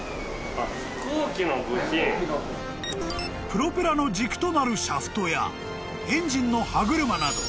［プロペラの軸となるシャフトやエンジンの歯車など］